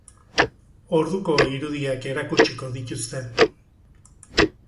Orduko irudiak erakutsiko dituzte.